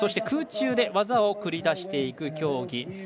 空中で技を繰り出していく競技。